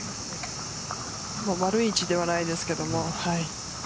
悪い位置ではないですけど。